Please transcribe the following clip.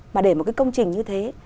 mà để một cái công trình như thế